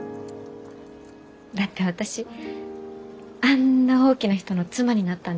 だって私あんな大きな人の妻になったんですから。